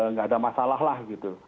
nggak ada masalah lah gitu